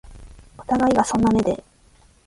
お互いがそんな目で